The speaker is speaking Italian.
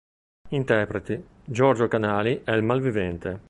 Interpreti: Giorgio Canali è il malvivente.